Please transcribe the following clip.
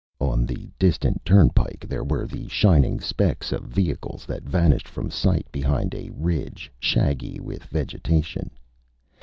On the distant turnpike there were the shining specks of vehicles that vanished from sight behind a ridge shaggy with vegetation.